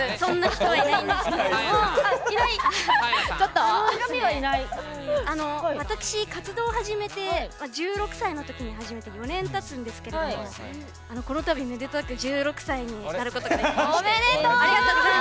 私、１６歳のときに活動を始めて４年たつんですけれどもこのたび、めでたく１６歳になることができまして。